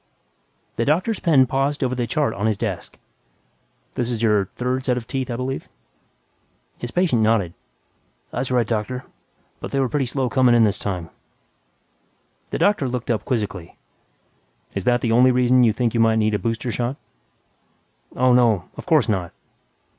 by Robert J. Martin The doctor's pen paused over the chart on his desk, "This is your third set of teeth, I believe?" His patient nodded, "That's right, Doctor. But they were pretty slow coming in this time." The doctor looked up quizzically, "Is that the only reason you think you might need a booster shot?" "Oh, no ... of course not!"